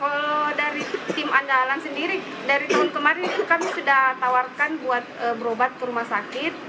kalau dari tim andalan sendiri dari tahun kemarin itu kami sudah tawarkan buat berobat ke rumah sakit